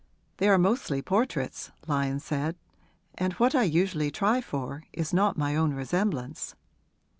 'They are mostly portraits,' Lyon said; 'and what I usually try for is not my own resemblance.'